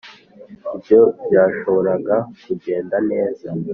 ibyo byashoboraga kugenda neza